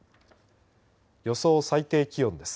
予想最低気温です。